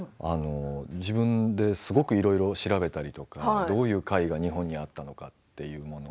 自分ですごくいろいろ調べたりとかどういう怪異があったのかということを。